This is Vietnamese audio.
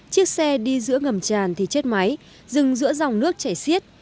chiếc xe đi giữa ngầm tràn thì chết máy dừng giữa dòng nước chảy xiết